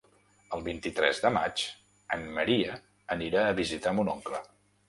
El vint-i-tres de maig en Maria anirà a visitar mon oncle.